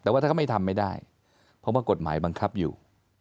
แต่ว่าถ้าเขาไม่ทำไม่ได้เพราะว่ากฎหมายบังคับอยู่